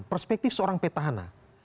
perspektif seorang petahana